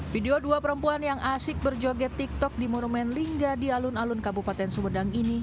video dua perempuan yang asik berjoget tiktok di monumen lingga di alun alun kabupaten sumedang ini